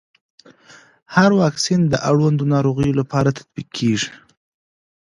هر واکسین د اړوندو ناروغيو لپاره تطبیق کېږي.